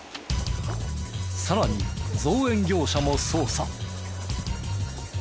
さらに造園業者も捜査。